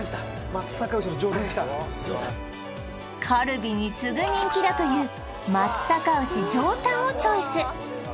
カルビに次ぐ人気だという松阪牛上タンをチョイス